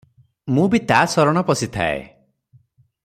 ମୁଁ ବି ତା ଶରଣ ପଶିଥାଏଁ ।